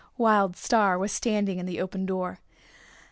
Wild Star was standing in the open door.